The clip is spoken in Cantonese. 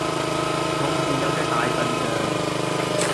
從前呀有隻大笨象